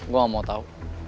gue gak mau tau